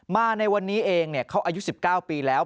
มาในวันนี้เองเขาอายุ๑๙ปีแล้ว